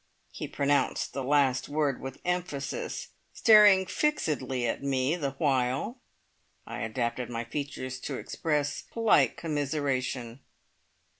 He pronounced the last word with emphasis, staring fixedly at me the while. I adapted my features to express polite commiseration.